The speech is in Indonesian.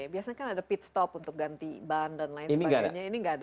biasanya kan ada pit stop untuk ganti bahan dan lain sebagainya